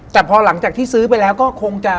แต่พอหลังจากที่ซื้อไปแล้วก็คงจะ